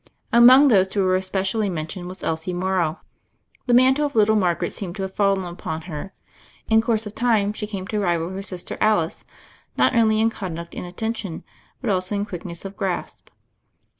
Among those who were especially mentioned was Elsie Morrow. The mantle of little Mar garet seemed to have fallen upon her ; in course of time she came to rival her sister Alice, not only in conduct and attention, but also in quick ness of grasp.